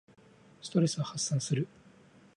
ストレスを発散する。